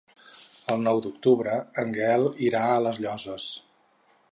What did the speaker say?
El nou d'octubre en Gaël irà a les Llosses.